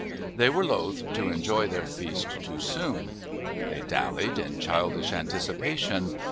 They were loth to enjoy their feast too soon. They dallied in childish anticipation.